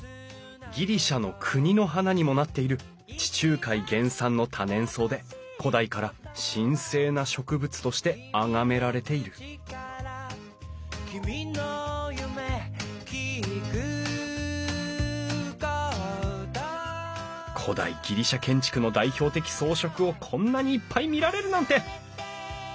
ギリシャの国の花にもなっている地中海原産の多年草で古代から神聖な植物としてあがめられている古代ギリシャ建築の代表的装飾をこんなにいっぱい見られるなんて！